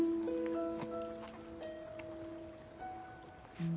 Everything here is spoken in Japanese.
うん。